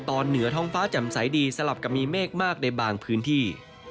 เหนือท้องฟ้าแจ่มใสดีสลับกับมีเมฆมากในบางพื้นที่